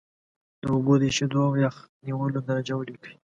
د اوبو د ایشېدو او یخ نیولو درجه ولیکئ.